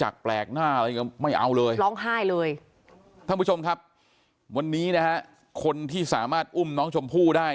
เคยมีภาพอุ้มน้องชมพู่